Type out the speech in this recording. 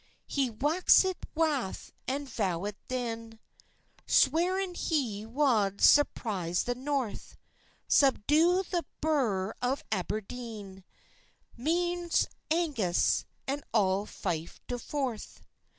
He waxit wrath and vowit tein; Sweirand he wald surpryse the North, Subdew the brugh of Aberdene, Mearns, Angus, and all Fyfe to Forth.